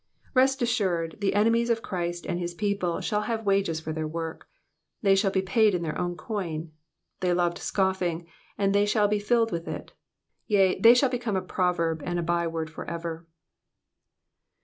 Rtst assured, the enemies of Christ and his people shall have wages for their w^ork ; they shall be paid in their own coin ; they loved scoffing, and they shall be filled with it yea, they shall become a proverb and a by word for ever.